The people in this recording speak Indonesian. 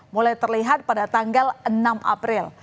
mulai terlihat pada tanggal enam april